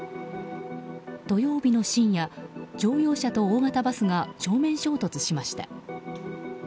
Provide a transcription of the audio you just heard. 土曜日の深夜乗用車と大型バスが正面衝突しました。